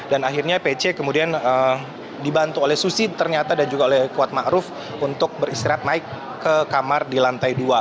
dan akhirnya pc kemudian dibantu oleh susi ternyata dan juga oleh kuat ma'ruf untuk beristirahat naik ke kamar di lantai dua